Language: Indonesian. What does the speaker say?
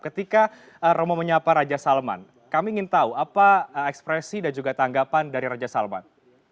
ketika romo menyapa raja salman kami ingin tahu apa ekspresi dan juga tanggapan dari raja salman